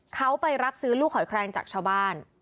เขาไปรับซื้อลูกหอยแครงจากชาวบ้าน